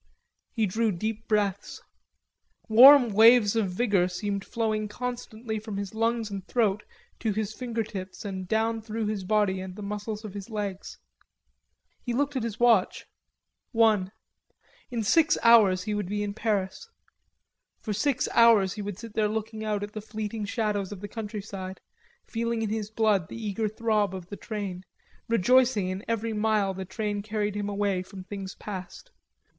He drew deep breaths; warm waves of vigor seemed flowing constantly from his lungs and throat to his finger tips and down through his body and the muscles of his legs. He looked at his watch: "One." In six hours he would be in Paris. For six hours he would sit there looking out at the fleeting shadows of the countryside, feeling in his blood the eager throb of the train, rejoicing in every mile the train carried him away from things past.